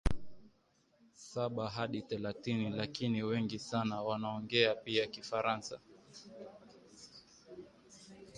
saba Hadi thelathini lakini wengi sana wanaongea pia Kifaransa